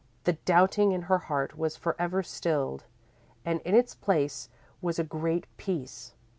_ _The doubting in her heart was for ever stilled and in its place was a great peace.